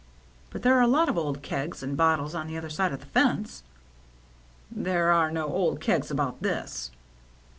But there are a lot of old kegs and bottles on the other side of the fence." "There are no old kegs about this."